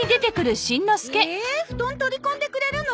ええ布団取り込んでくれるの？